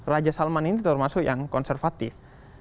raja salman ini termasuk yang konservatif